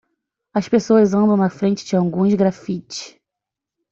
As pessoas andam na frente de alguns graffiti.